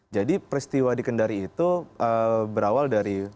jadi peristiwa di kendari itu berawal dari